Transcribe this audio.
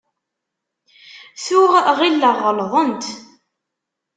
Tuɣ ɣilleɣ ɣelḍent.